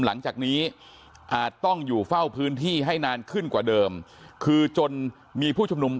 หลังจากนี้อาจต้องอยู่เฝ้าพื้นที่